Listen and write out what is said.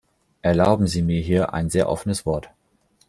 Erlauben Sie mir hier ein sehr offenes Wort.